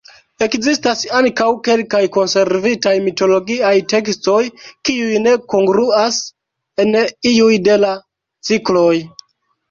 Ekzistas ankaŭ kelkaj konservitaj mitologiaj tekstoj kiuj ne kongruas en iuj de la cikloj.